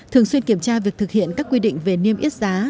thường xuyên kiểm tra việc thực hiện các quy định về niêm yết giá